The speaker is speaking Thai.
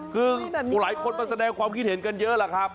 คือหลายคนมาแสดงความคิดเห็นกันเยอะแหละครับ